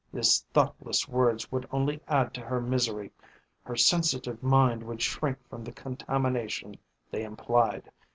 His thoughtless words would only add to her misery. Her sensitive mind would shrink from the contamination they implied.